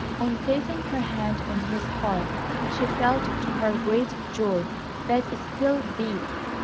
On placing her hand on his heart she felt, to her great joy, that it still beat.